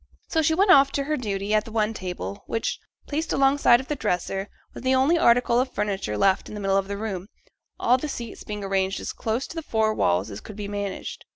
So she went off to her duty at the one table, which, placed alongside of the dresser, was the only article of furniture left in the middle of the room: all the seats being arranged as close to the four walls as could be managed.